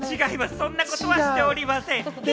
そんなことはしておりません。